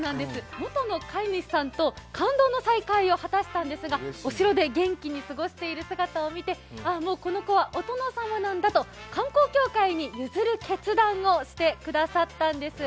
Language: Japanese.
元の飼い主さんと感動の再会を果たしたんですが、お城で元気に過ごしている姿を見て、ああこの子はお殿様なんだと観光協会に譲る決断をしてくださったんです。